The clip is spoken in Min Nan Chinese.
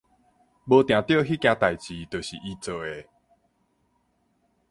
無定著彼件代誌就是伊做的